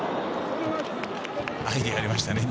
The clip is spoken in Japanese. アイデアありましたね、今。